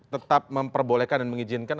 tetap memperbolehkan dan mengizinkan